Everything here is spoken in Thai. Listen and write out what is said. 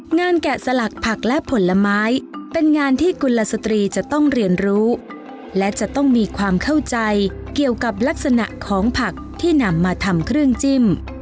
แกะสลักผักและผลไม้เป็นงานที่กุลสตรีจะต้องเรียนรู้และจะต้องมีความเข้าใจเกี่ยวกับลักษณะของผักที่นำมาทำเครื่องจิ้ม